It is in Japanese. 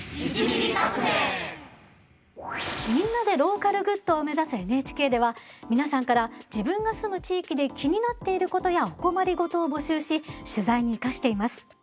「みんなでローカルグッド」を目指すＮＨＫでは皆さんから自分が住む地域で気になっていることやお困り事を募集し取材に生かしています。